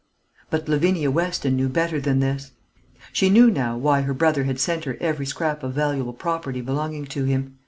But Lavinia Weston knew better than this. She knew now why her brother had sent her every scrap of valuable property belonging to him.